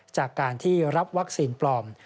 จากการที่รับวัคซีนปลอม